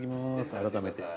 改めて。